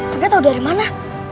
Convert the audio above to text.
kakak tahu dari mana